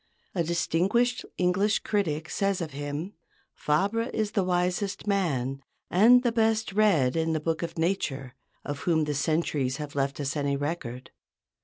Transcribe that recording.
A distinguished English critic says of him, "Fabre is the wisest man, and the best read in the book of nature, of whom the centuries have left us any record."